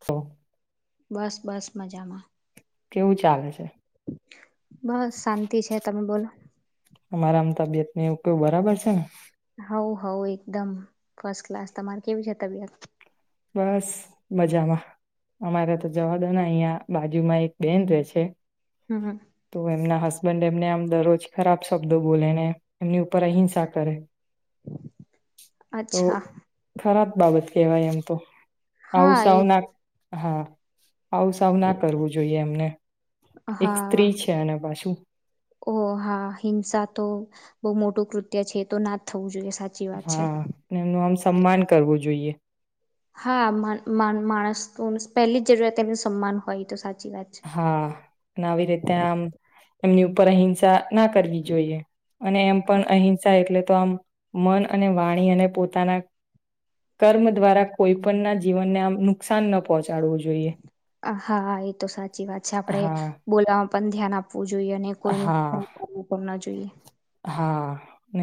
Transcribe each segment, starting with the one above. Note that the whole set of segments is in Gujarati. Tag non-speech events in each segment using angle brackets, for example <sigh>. તો બસ, બસ મજામા. કેવું, ચાલે છે. બસ શાંતિ છે, તમે બોલો. અમારા, આમ તબિયત ને એવું કેવુ બરાબર છેને? હઉ એકદમ ફર્સ્ટ ક્લાસ તમારે કેવી છે, તબિયત. બસ મજામા અમારે, તો જવા દોને અહં બાજુમાં એક બેન રે છે. હમ તો એમના હસ બં એમને, આમ દરરોજ ખરાબ શબ્દો બોલેને એમની ઉપર અહિંસા કરે. તો અચ્છા ખરાબ બાબત એવા, એમ. તો આવું હા એ સઉું નાક, હા. આવ સાવના કરવું, જોઈએ એમને એક હા સ્ત્રી છે, એને પાછું. બઉુ મોટું કૃત્ય છે, તો ના થવું જોઈએ સાચી વાત છે હા, એમનું આમ સમાન કરવું, જોઈએ. હા, મા માણસ પહેલી જરૂરિયાત એનું સન્માન હોય, તો સા હા, અને આવી રીતે, આમ એમની ઉપર અહિંસા. ના કરવી જોઈએ, અને એમ પણ અહિંસા, એટલે તો આમ મન અને વાણી અને પોતાના, કર્મ દ્વારા કોઈ પણના જીવનને, આમ નુકસાન ન પહોંચાડવું જોઈએ. હ, હા એ. તો સાચી વાત છે, આપડણે હા બોલા પણ, ધ્યાન આપ આપવું જોઈએ, અને હા કોઈનું ના જોઈએ. હા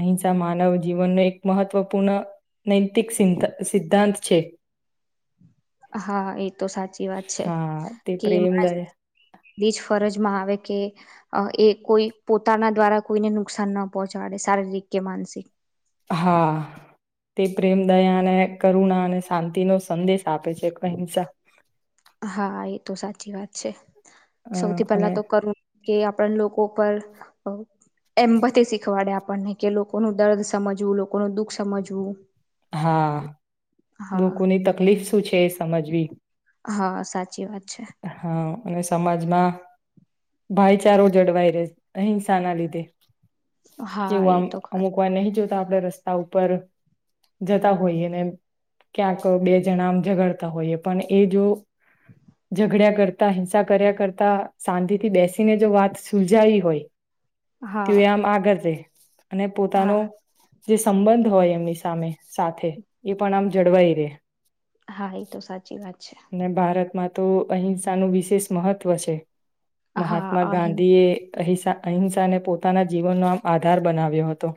અહિંસા માનવ જીવનનો, એક મહત્ત્વપૂર્ણ નૈતિક સીધ સિદ્ધાંત છે. હા, એ તો સાચી વાત છે, હા તે કે પ્રેમ માણસને દયા બધી જ ફરજમાં આવે થી અ એ કોઈ પોતાના દ્વારા કોઈને, નુકસાનના પહોંચાડે શારીરિક કે માનસિક. હા. તે પ્રેમ દયા અને કરુણા અને શાંતિનો સંદેશ આપે છે, અહિંસા હા, એ તો સાચી વાત છે. અ સૌથી, અને પહેલા તો કર કે આપણ લોકો પર એમ બ શીખવાડે આપણને કે લોકો ન દર્દ સમજવું લોકોનું દુઃખ સમજવું હા હા લોકોની તકલીફ સુું છે સમજવી હા સાચી વાત છે હા અને સમાજમાં ભાઈચારો જળવાઈ રહે અહિંસા ના લીધે હા એવું એ આમ તો ખર અમુક વાર નહ જોતું આપણે રસ્તા ઉપર જતા હોઈએ ને ક્યાંક બે જણા આમ ઝઘાડતા હોઈએ પણ એ જો ઝઘડ્યા કરતા હિંસા કર્યા કરતા શાંતિ થી બેસીને જો વાત સુલજાવી હોય હા ત આમ આગળ છે અને પોતાનો હા જે સંબંધ હોય એમની સામે સાથે પણ આમ કરવાવાઈરે હા એ તો સાચી વાત છે અને ભારતમાં તો અહિંસા નું વિશેષ મહત્વ છે હા મહાત્મા અહિં ગાંધી એ અહિસા અહિંસા ને પોતાના જીવનનો આમ આધાર બનાવ્યો હતો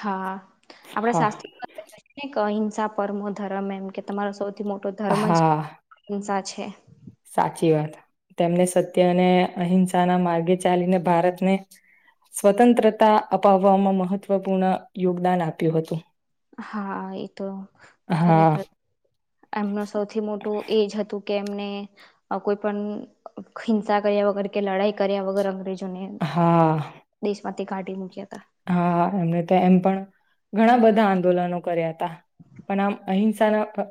હા હા આપડા શસ્ુને પરમો ધર્મ એમ કે તમા સૌ સૌથી મોટો ધર્મ જ હા હિંસા છે છે સાચી વાત તેમને સત્ય અને અહિંસાના માર્ગે ચાલીને ભારતને સ્વતંત્રતા અપાવવામાં મહત્વપૂર્ણ યોગદાન આપ્યું હતું હા એ તો હા ખરેખર એમનું સૌથી મોટું એજ હતું કે એમને કોઈ પણ હિંસા કર્યા વગર કે લડાઈ કર્યા વગર અંગ્રેજ હા પતતે કાી મુખ્યા હતા હા એમને તો એમ પણ ઘણા બધા આંદોલનો કર્યા હતા પણ આમ અહિંસાના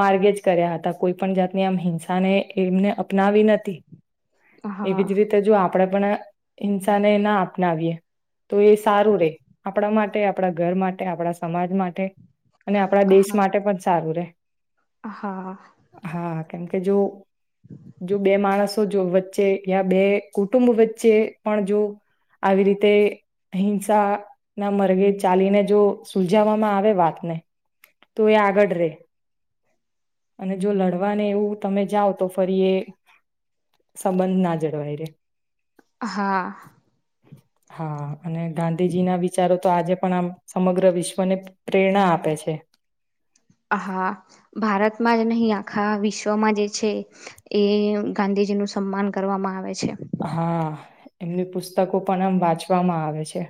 માર્ગે જ કર્યા હતા કોઈ પણ જાતની આમ હિંસાને એમને અપનાવી નથી હતા એવી હા જ રીતે જો આપ આપે પણ હિંસાને ના અનાવીએ તો સારું રે આપણા માટે આપણા ઘર માટે આપણા સમાજ માટે અને આપણા દેશ હા માટે પણ સારું રે હા કે જો જો બે માણસો જો વચ્ચે યા બે કુટુંબ વચ્ચે પણ જો આવી રીતે હિંસા ના માર્ગે ચાલીને જો સુલાવામાં આવે વાતને તો એ આગળ રે અને જો લડવાને એવું તમે જાઓ તો ફરી એ સંબંધ ના જળવાય રે. હા હા.. અને ગાંધીજી ના વિચારો તો આજે પણ આમ સમગ્ર વિશ્વને પ્રેરણા આપે છે. હા ભારતમાં જ નહીં આ આખા વિશ્વમાં જે છે એ ગાંધીજી નું સન્માન કરવામાં આવે છે. હા.. એમની પુસ્તકો પણ આમ વાંચવામાં આવે છે.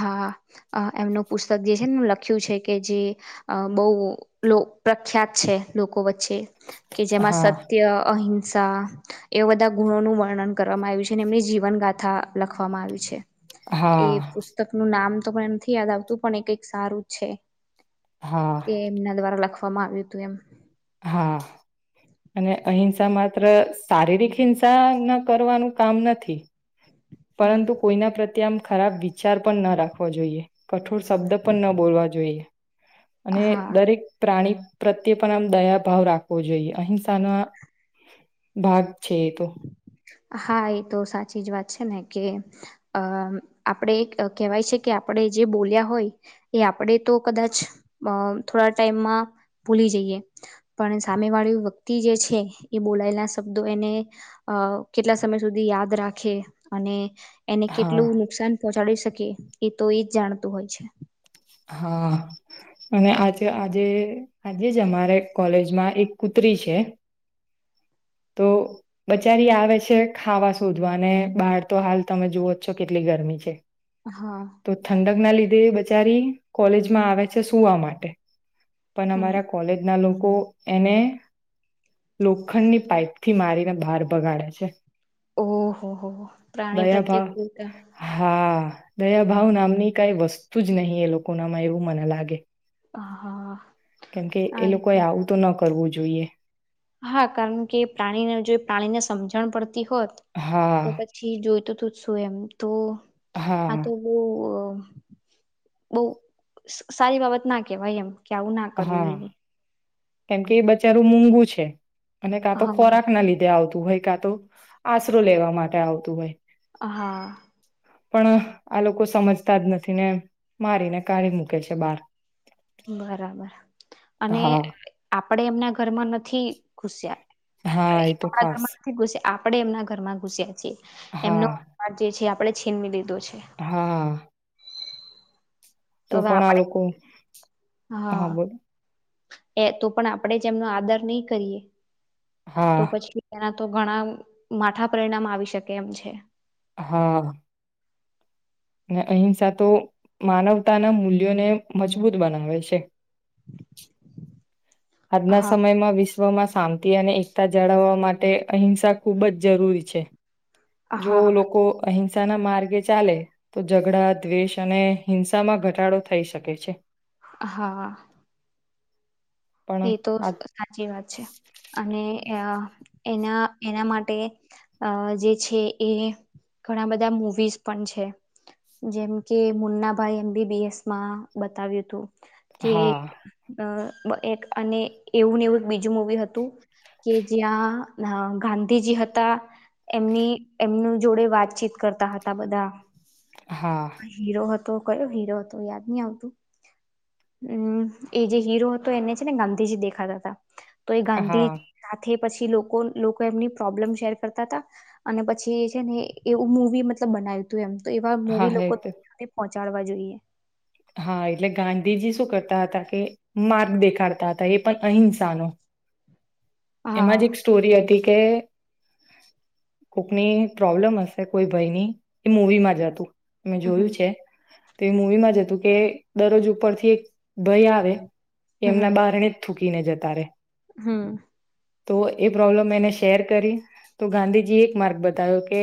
હા.. અમ્ એમનું પુસ્તક જે છે ને લખ્યું છે કે જે બહુ લો.. પ્રખ્યાત છે લોકો વચ્ચે. કે જેમાં હા સત્યઅ અહિં સા.. એવા બધા ગુણોનું વર્ણન કરવામાં આવ્યું છે અને એમની જીવન ગાથા લખવામાં આવી છે. એ હા પુસ્તક નામ તો પણ એમ નથી યાદ આવતું પણ એ કંઈક સારું જ છે. હા એ એમના દ્વારા લખ અમા આવ્યું તું એમ હા અને અહિંસા માત્ર શારીરિક હિંસા ના કરવાનું કામ નથી. હમ, પરંતુ કોઈના પ્રત્યે આમ ખરાબ વિચાર પણ ના રાખવો જોઈએ. કઠોર શબ્દ પણ ન બોલવા જોઈએ. અને હા દરેક પ્રાણી પ્રત્યે પણ આમ દયા ભાવ રાખવો જોઈએ અહિંસાનો ભાગ છે એ તો. હા એ તો સાચી જ વાત છે ને કે અમ્ આપણેે કેહેવાય છે કે આપણે જે બોલ્યા હોય એ આપણે તો કદાચ અમ્ થોડા ટાઈમમાં ભૂલી જઈએ પણ સામે વાળી વ્યક્તિ જે છે એ બોલાયેલા શબ્દો એને અ કેટલા સમય સુધી યાદ રાખે અને એને હા કેટલું નુકસાન પહોંચાડી શકે એ તો એજ જાણતું હોય છે. હા અને આજે, આજે આજે જ અમારે કોલેજમાં એક કુત્રી છે તો બચારી આવે છે ખાવા શોધવાને બહાર તો હાલ તમે જુવો જ છો કેટલી ગરમી છે. હા તો ઠંડક ના લીધ્ દે બચારી કોલેજમાં આવે છે સુવા માટે. પણ હમ અમારા કોલેજ ના લોકો એને લોખંડની પાઈપ થી મારીને બહાર ભગાડે છે. ઓહ હૉ હૉ હો પ્રાણી પ્રત્યે કૃરતા દયા ભાવ નામની કઈ વસ્તુ જ નહીં એ લોક કોનામાં એવું મને લાગે હ હા કેમકે એ લોકોએ આવું તો ન કરવુ કરવું જોઈએ હા કારણ કે પ્રાણીને જો પ્રાણીને સમજે રાણ પણ હોત તો હા પછી જો તો સ્વય તો હા તો બહુ સ સારી બાબત ના કેવાય એમ કે આવું ના કરવું હા જોઈએ કેમ કે એ બચારું મૂઘું છે અને કાં તો હા ખોરાક ના લીધે આવતો હુવાઇ કા તો આશરો લેવા માટે આવતું હોય હા પણ આ લોકો સમજતા જ નથી ને મારીને કાઢી મૂકે છે બાર બરાબર અને આપડે એમના ઘરમાં નથી ઘુસ્યા હા એ તો આપણા ખાસ ઘરમાં નથી ઘુસ્યા આપણે એમના ઘરમાં ઘુસ્યા એમનો હા માટે છે આપણે છીનવી લીધું છે હા છે તો પણ આ લોકો હા બોલ એ તો પણ આપણેે જેમનો આદર નહી કરીએ તો હા પછી ત તો ઘણા માઠા પરિણામ આવી શકે એમ છે હા અ અહિંસા તો માનવતાના મૂલ્યોને મજબૂત બનાવે છે આજના હા સમયમાં વિશ્વા વિશ્વમાં શાંતિ અને એકતા જાળવવા માટે અહિંસા ખૂબ જ જરૂરી છે જો હા લોકો અહિંસા હિંસા ના માર્ગે ચાલે તો ઝઘડા દ્વેષ અને હિંસા માં ઘટાડો થઈ શકે છે હા એ પણ તો આ સાચી વાત છે અને અ એના એના માટે જે છે એ ઘણા બધા મુવીઝ પણ છે જેમ કે મુન્નાભાઈ એમ બીબીએસ માં બતાવ્યું હતું કે હા અ બ એક અને એવું ને એવું એક બીજું મુવી હતું કે જ્યાં ગાંધીજી હતા એમની એમનું જોડે વાતચીત કરતા હતા બધા હા હીરો હોત તો કયો હીરો હતો યાદ નહી આવતું હમ એ જે હીરો હતો એને ને ગાંધીજી દેખાતા તા. તો એ હા ગાંધીની સાથે પછી લોકો લોકો એમની પ્રોબ્લેમ શેર કરતા હતા. અને પછી જે છે ને એવું મુવી મતલબ બનાવ્યું તું એમ તો એવા હા મૂવી હે લોકો તે <unintelligible> કાઢવા જોઈએ હા એટલે ગાંધીજી શું કરતા હતા કે, માર્ગ દેખાડતા હતા. એ પણ અહિંસાનો. એમાં જ હા એક સ્ટોરી હતી કે કોકની પ્રોબ્લમ હશે કોઈ ભાય ની એ મુવી માંજ હતું મે હમ જોયું છે. તે મૂવી માં જ હતું કે દરરોજ ઉપરથી એક ભાય આવે એમના હમ બહારને જ થૂક કીને જતા રે. હમ્મ. તો એ પ્રોબ્લેમ એને શેર કરી તો ગાંધીજી એ માર્ક બતાવે કે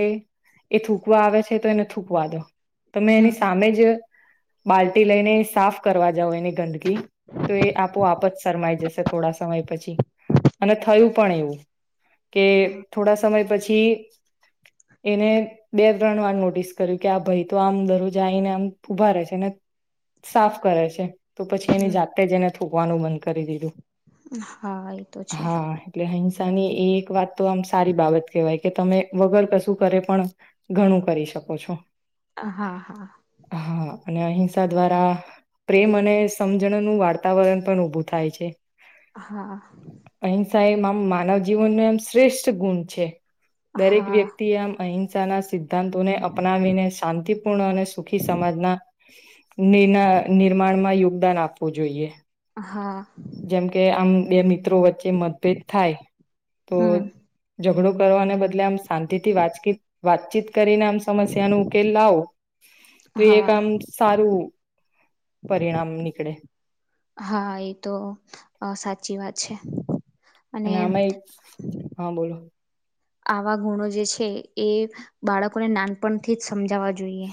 એ થૂકવા આવે છે તો એને થૂકવા દો. તમને હમ એની સામે જ બાલ્ટી લઈને સાફ કરવા જાવ એની ગંદકી. તો એ આપોઆપ જ શરમાઈ જશે થોડા સમય પછી અને થયું પણ એવું. કે થોડા સમય પછી છી એને બે ત્રણ વાર નોટિસ કર્યું. કે આ ભાઈ તો આમ દરરોજ આવીને આમ ઉભા રે છે ને સાફ કરે છે. તો પછી એની હમ જાતે જ એને થુકવાનું બન કરી દીધું. હા એ તો છે હા એટલે હેન તને એ એક વાત તો આમ સારી બાબત કહેવાય. કે તમે વગર કશું કરે પણ ઘણું કરી શકો છો. હા હા. હા અને અહિંસા દ્વારા પ્રેમ અને સમજણનું વાર્તાવરણ પણ ઊભું થાય છે. હા. અહિંસા એમ આમ માનવ જીવન નુ એમ શ્રેષ્ઠ ગુણ છે. દરેક હા વ્યક્તિ આમ અહીં સા ના સીધ દ્ધાંતોને અપનાવીને શાંતિપૂર્ણ અને સુખી સમાજના નિન નિર્માણ માં યોગ દાન આપવું જોઈએ. હા જેમ કે આમ બે મિત્રો કે મત ભેદ થાય તો હમ ઝગડો કરવા અને બદલે આમ શાંતિ થી વાસકી વાતષિત કરીને આમ સમસ્યા નો ઉકેલ લાવો તો એક હા કામ સારું પરિણામ નીકળે હા એ તો સાચી વાત છે, અને <unintelligible> આવા ગુણો જે છે, એ બાળકોને નાનપણથી જ સમજાવવા જોઈએ,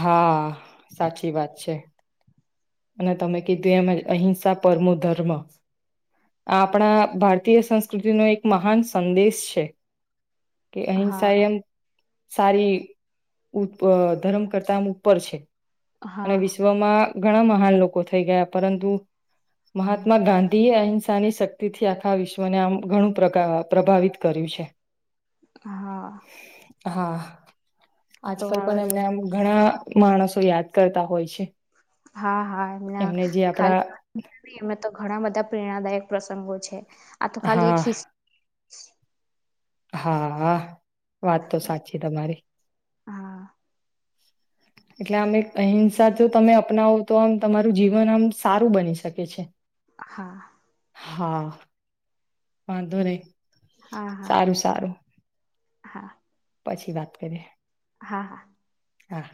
હા સાચી વાત છે, અને તમે કીધું એમ અહિંસા પરમો ધર્મ આ આપણા ભારતીય સંસ્કૃતિનો એક મહાન સંદેશ છે, કે અહિંસા હા એમ સારી ઉપર કરતા ઉપર છે અને હા વિશ્વમાં ઘણા મહાન લોકો થઈ ગયા પરંતુ મહાત્મા ગાંધી એ અહિંસાની શક્તિથી આખા વિશ્વને આમ ઘણું પ્રભાવિત કર્યું છે. હા હા તો આજકાલ આવે પણ તો એમને આમ ઘણા માણસો યાદ કરતા હોય છે, હા હા એમને જે આપડા <inaudible> પ્રેરણાદાયક પ્રસંગો છે, હા <unintelligible> <unintelligible> હા હા વાત તો સાચી તમારી, હા એટલે આમ એક અહિંસા જો તમે અપનાવો તો આમ તમારું જીવન આમ સારું બની શકે છે, હા હા વાંધો રે હા હા સારું હા પછી વાત કરીએ, હા હા હા.